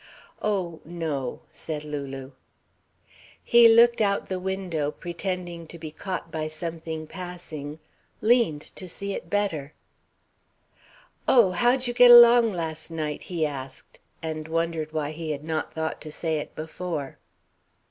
"Oh, no," said Lulu. He looked out the window, pretending to be caught by something passing, leaned to see it the better. "Oh, how'd you get along last night?" he asked, and wondered why he had not thought to say it before.